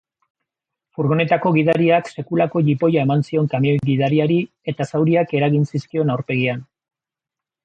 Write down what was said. Furgonetako gidariak sekulako jipoia eman zion kamioi gidariari eta zauriak eragin zizkion aurpegian.